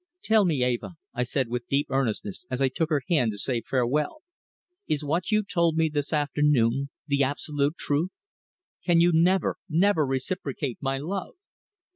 "Tell me, Eva," I said with deep earnestness as I took her hand to say farewell, "is what you told me this afternoon the absolute truth? Can you never never reciprocate my love?"